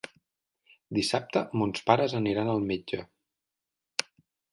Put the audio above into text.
Dissabte mons pares aniran al metge.